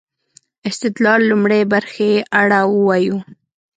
استدلال لومړۍ برخې اړه ووايو.